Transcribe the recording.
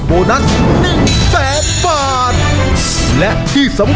ครอบครัวของแม่ปุ้ยจังหวัดสะแก้วนะครับ